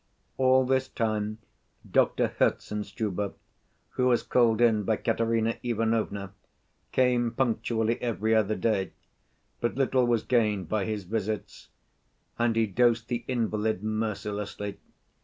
All this time Doctor Herzenstube, who was called in by Katerina Ivanovna, came punctually every other day, but little was gained by his visits and he dosed the invalid mercilessly.